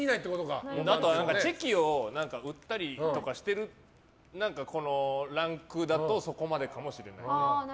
チェキを売ったりとかしてるランクだとそこまでかもしれない。